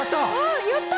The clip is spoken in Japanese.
やった！